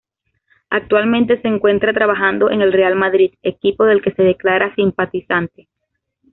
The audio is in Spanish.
Actualmente se encuentra trabajando en el Real Madrid, equipo del que se declara simpatizante.